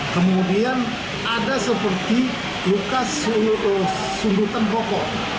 kemudian ada seperti luka sundutan pokok